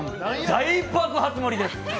大爆発盛りです。